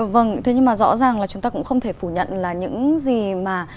vâng thế nhưng mà rõ ràng là chúng ta cũng không thể phủ nhận là những gì mà